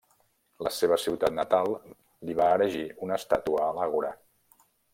La seva ciutat natal li va erigir una estàtua a l'àgora.